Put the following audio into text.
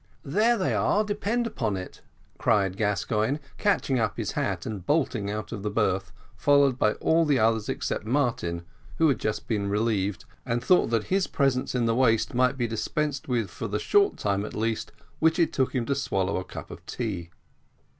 "There they are, depend upon it," cried Gascoigne, catching up his hat and bolting out of the berth, followed by all the others except Martin, who had just been relieved, and thought that his presence in the waist might be dispensed with for the short time, at least, which it took him to swallow a cup of tea.